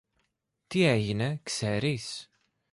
Τι έγινε, ξέρεις;